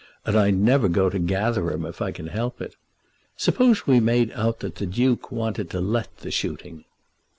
And I never go to Gatherum if I can help it. Suppose we made out that the Duke wanted to let the shooting?"